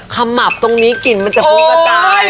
ขมับตรงนี้กลิ่นมันจะพูดกันได้